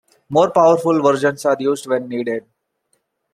More powerful versions are used when needed.